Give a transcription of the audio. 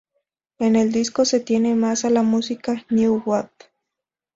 En el disco se tiene más a la música new wave.